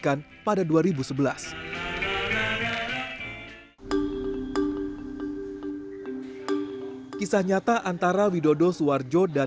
serta antara widodo suarjo dan